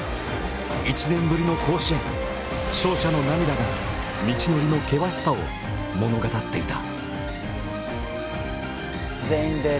１年ぶりの甲子園、勝者の涙が道のりの険しさを物語っていた。